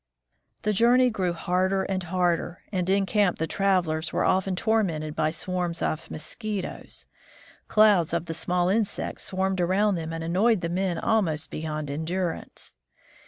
The journey grew harder and harder, and in camp the travelers were often tormented by swarms of mosquitoes. Clouds of the small insects swarmed around them and annoyed the men almost beyond endurance.